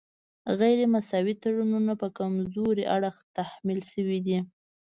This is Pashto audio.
غیر مساوي تړونونه په کمزوري اړخ تحمیل شوي دي